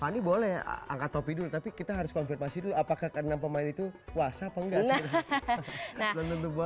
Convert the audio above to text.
fani boleh angkat topi dulu tapi kita harus konfirmasi dulu apakah ke enam pemain itu puasa apa enggak sebenarnya